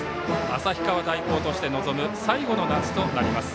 旭川大高として臨む最後の夏となります。